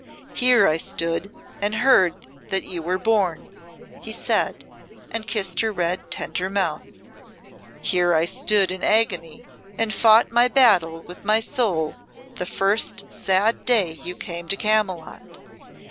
"Here I stood and heard that you were born," he said, and kissed her red, tender mouth. "Here I stood in agony and fought my battle with my soul the first sad day you came to Camylott."